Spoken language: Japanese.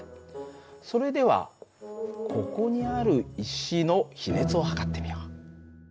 それではここにある石の比熱を測ってみよう。